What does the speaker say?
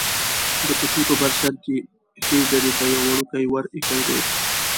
د کوڅې په بر سر کې ښيي ډډې ته یو وړوکی ور ایښی دی.